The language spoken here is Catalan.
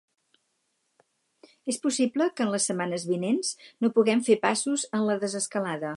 És possible que en les setmanes vinents no puguem fer passos en la desescalada.